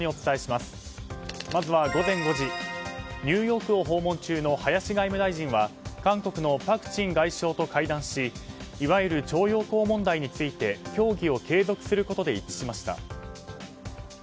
まずは午前５時ニューヨークを訪問中の林外務大臣は韓国のパク・チン外相と会談しいわゆる徴用工問題について協議を継続することで一致しました。